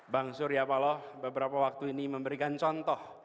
bang surya paloh beberapa waktu ini memberikan contoh